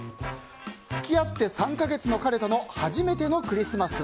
付き合って３か月の彼との初めてのクリスマス。